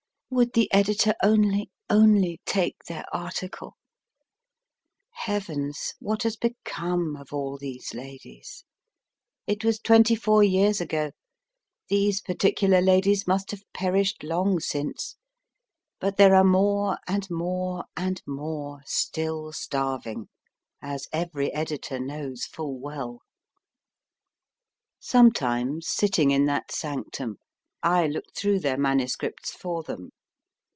Would the editor only only take their article ? Heavens ! what has become of all these ladies ? It was twenty four years ago ; these particular ladies must have perished long since ; but there are more and more and more still starving, as every editor knows full well. WALTER BESANT Sometimes, sitting in that sanctum, I looked through their MSS. for them.